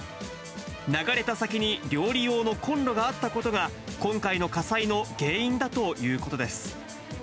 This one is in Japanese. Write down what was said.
流れた先に料理用のコンロがあったことが、今回の火災の原因だということです。